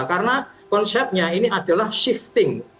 karena konsepnya ini adalah shifting